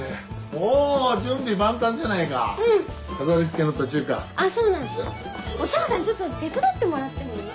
お父さんちょっと手伝ってもらってもいい？